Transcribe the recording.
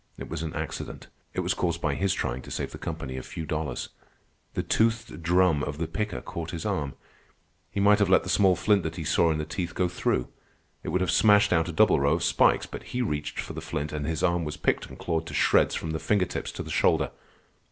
It was an accident. It was caused by his trying to save the company a few dollars. The toothed drum of the picker caught his arm. He might have let the small flint that he saw in the teeth go through. It would have smashed out a double row of spikes. But he reached for the flint, and his arm was picked and clawed to shreds from the finger tips to the shoulder.